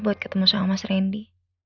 buat ketemu sama mas randy